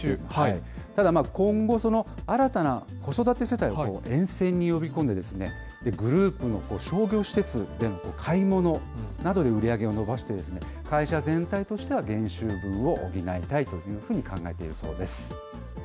ただ、今後、その新たな子育て世帯を沿線に呼び込んで、グループの商業施設での買い物などで売り上げを伸ばして、会社全体として減収分を補いたいというふうに考えているそうです。